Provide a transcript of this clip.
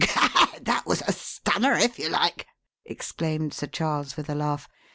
"Gad! that was a stunner, if you like!" exclaimed Sir Charles with a laugh.